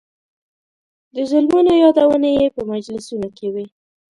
د ظلمونو یادونې یې په مجلسونو کې وې.